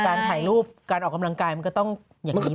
การถ่ายรูปการออกกำลังกายมันก็ต้องอย่างนี้